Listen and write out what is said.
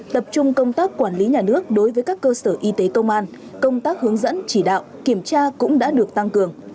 tập trung công tác quản lý nhà nước đối với các cơ sở y tế công an công tác hướng dẫn chỉ đạo kiểm tra cũng đã được tăng cường